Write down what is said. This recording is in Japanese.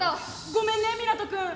ごめんね湊斗君。